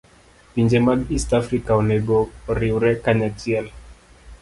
Pinje mag East Africa onego oriwre kanyachiel.